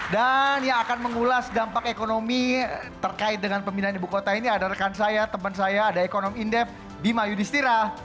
dan yang akan mengulas dampak ekonomi terkait dengan pemindahan ibu kota ini ada rekan saya teman saya ada ekonomi indef bima yudhistira